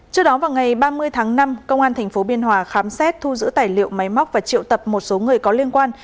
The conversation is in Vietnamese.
trước đó vào ngày ba mươi tháng năm công an tp biên hòa khám xét thu giữ tài liệu máy móc và triệu tập một số người có liên quan